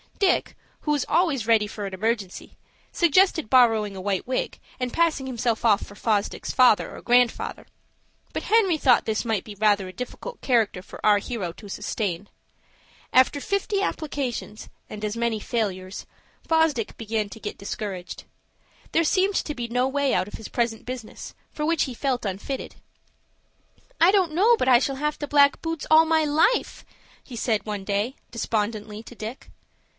Dick, who was always ready for an emergency, suggested borrowing a white wig, and passing himself off for Fosdick's father or grandfather. But Henry thought this might be rather a difficult character for our hero to sustain. After fifty applications and as many failures, Fosdick began to get discouraged. There seemed to be no way out of his present business, for which he felt unfitted. "I don't know but I shall have to black boots all my life," he said, one day, despondently, to Dick.